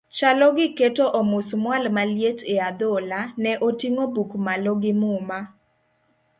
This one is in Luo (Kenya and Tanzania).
Chalo gi keto omusmual maliet e adhola, ne oting'o buk malo gi muma.